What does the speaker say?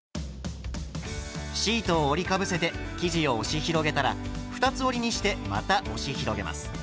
シートを折りかぶせて生地を押し広げたら二つ折りにしてまた押し広げます。